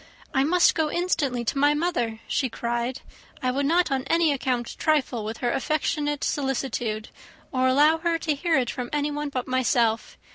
"I must go instantly to my mother," she cried. "I would not on any account trifle with her affectionate solicitude, or allow her to hear it from anyone but myself.